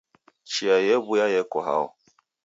Chia yewuya yeko hao